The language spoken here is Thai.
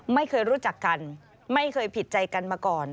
ไม่เคยรู้จักกันไม่เคยผิดใจกันมาก่อน